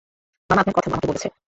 মামা আপনার কথা আমাকে বলেছে।